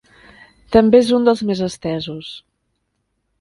També és un dels més estesos.